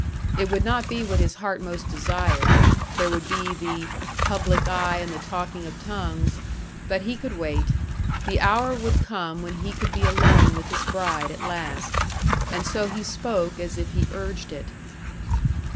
It would not be what his heart most desired: there would be the "public eye and the talking of tongues" but he could wait. The hour would come when he could be alone with his bride at last. And so he spoke as if he urged it.